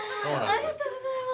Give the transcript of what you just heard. ありがとうございます！